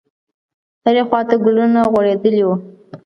هرې خواته ګلونه غوړېدلي وو.